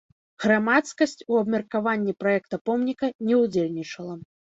Грамадскасць у абмеркаванні праекта помніка не ўдзельнічала.